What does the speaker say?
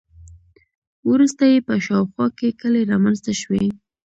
وروسته یې په شاوخوا کې کلي رامنځته شوي.